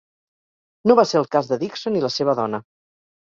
No va ser el cas de Dickson i la seva dona.